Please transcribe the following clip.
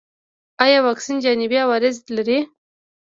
ایا واکسین جانبي عوارض لري؟